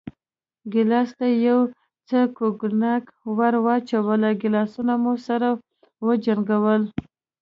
ګیلاس ته یو څه کوګناک ور واچوه، ګیلاسونه مو سره وجنګول.